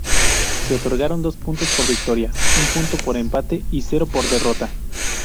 Se otorgaron dos puntos por victoria, un punto por empate y cero por derrota.